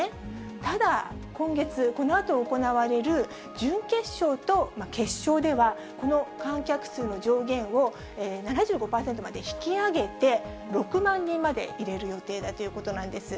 ただ、今月、このあと行われる準決勝と決勝では、この観客数の上限を７５％まで引き上げて、６万人まで入れる予定だということなんです。